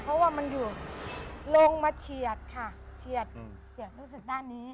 เพราะว่ามันอยู่ลงมาเฉียดค่ะเฉียดเฉียดรู้สึกด้านนี้